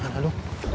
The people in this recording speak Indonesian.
gak usah tau